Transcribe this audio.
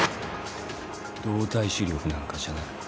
動体視力なんかじゃない。